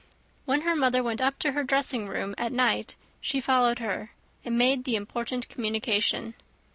When her mother went up to her dressing room at night, she followed her, and made the important communication.